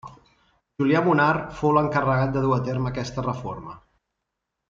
Julià Munar fou l’encarregat de dur a terme aquesta reforma.